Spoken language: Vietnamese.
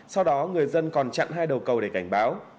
sau đó người dân còn chặn hai đầu cầu để cảnh báo